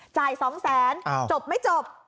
จ่าย๒๐๐๐๐๐จบไม่จบ